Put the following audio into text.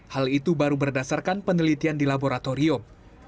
hal itu baru berdasarkan penelitian di laboratorium